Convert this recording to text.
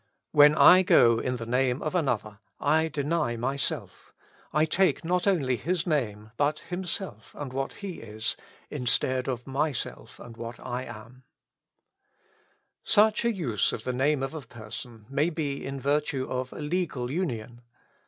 When I go in the name of another, I deny myself, I take not only his name, 191 . With Christ in the School of Prayer. but himself and what he is, instead of myself and what I am. Such a use of the name of a person may be in virtue of a legal union.